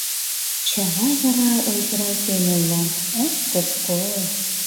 — Чавай вара ойгыралтен ойла: — Ак-ко-ко!